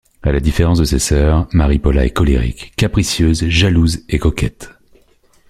À la différence de ses sœurs, Maria Paula est colérique, capricieuse, jalouse et coquette.